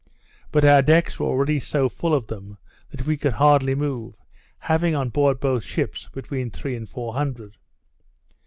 But our decks were already so full of them, that we could hardly move, having, on board both ships, between three and four hundred.